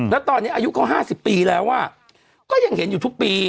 แล้วตอนนี้อายุเขา๕๐ปีแล้วก็ยังเห็นอยู่ทุกปี